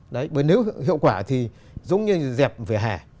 đấy bởi nếu hiệu quả thì giống như dẹp vỉa hẻ